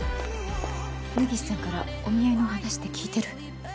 根岸さんからお見合いのお話って聞いてる？